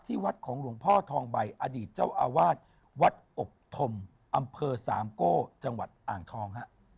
วัดของหลวงพ่อทองใบอดีตเจ้าอาวาสวัดอบธมอำเภอสามโก้จังหวัดอ่างทองฮะ